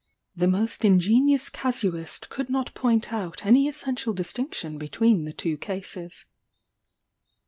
The most ingenious casuist could not point out any essential distinction between the two cases.